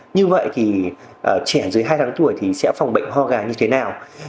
như vậy trẻ dưới hai tháng tuổi sẽ phòng bệnh hoa gà như thế nào